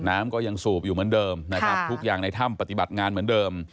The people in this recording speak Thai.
น้ำก็ยังสูบอยู่เหมือนเดิมนะครับทุกอย่างในถ้ำปฏิบัติงานเหมือนเดิม